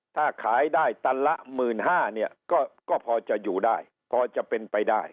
ถ้าขายได้ตันละ๑๕๐๐เนี่ยก็พอจะอยู่ได้พอจะเป็นไปได้